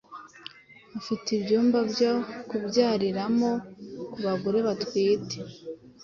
afite ibyumba byo kubyariramo ku bagore batwite